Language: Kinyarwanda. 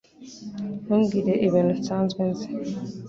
Ntumbwire ibintu nsanzwe nzi